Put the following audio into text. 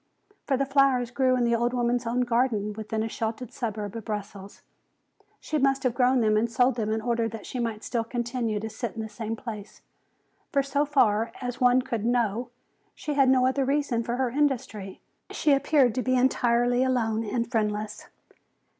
For the flowers grew in the old woman's own garden within a sheltered suburb of Brussels. She must have grown them and sold them in order that she might still continue to sit in the same place. For so far as one could know she had no other reason for her industry. She appeared to be entirely alone and friendless.